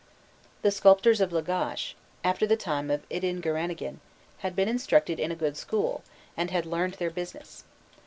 The sculptors of Lagash, after the time of Idingi ranagin, had been instructed in a good school, and had learned their business.